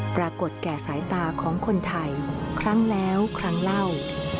ปรากฏแก่สายตาของคนไทยครั้งแล้วครั้งเล่า